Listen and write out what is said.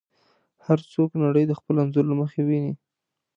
هر څوک نړۍ د خپل انځور له مخې ویني.